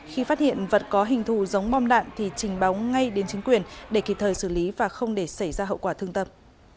khi phát hiện vật có hình thù giống bom đạn thì trình báo ngay đến chính quyền để kịp thời xử lý và không để xảy ra hậu quả thương tâm